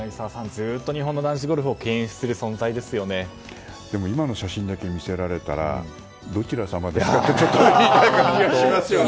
ずっと日本の男子ゴルフをでも今の写真だけ見せられたらどちら様ですか？ってちょっと思っちゃいますよね。